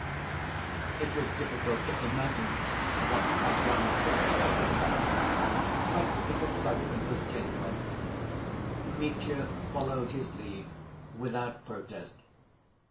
It was difficult to imagine what Kalganov was excited about, but his excitement was genuine. Mitya followed his lead without protest.